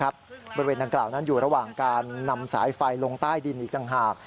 บริเวณดังกล่าวนั้นอยู่ระหว่างการนำสายไฟลงใต้ดินอีกต่างหาก